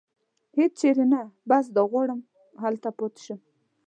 هېڅ چېرې نه، بس دا غواړم چې همدلته پاتې شم.